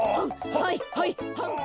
はいはいはんはん。